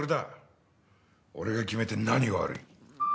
俺が決めて何が悪い。